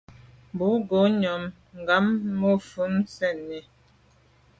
Bo ghom nyàm gham mum fèn sènni.